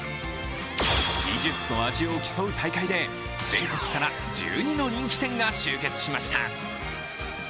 技術と味を競う大会で全国から１２の人気店が集結しました。